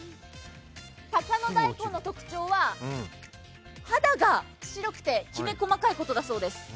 高野大根の特徴は肌が白くてきめ細かいことだそうです。